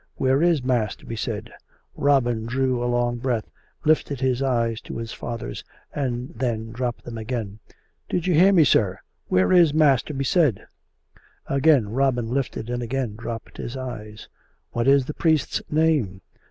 " Where is mass to be said ?" Robin drew a long brcatli, lifted his eyes to his father's and then dropped them again. 40 COME RACK! COME ROPE! " Did you hear me, sir ? Where is mass to be said ?" Again Robin lifted and again dropped his eyes. " What is the priest's name